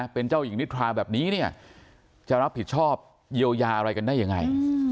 เป็นเจ้าหญิงนิทราแบบนี้เนี่ยจะรับผิดชอบเยียวยาอะไรกันได้ยังไง